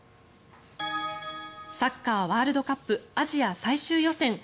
サッカーワールドカップアジア最終予選。